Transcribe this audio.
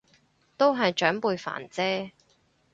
都係長輩煩啫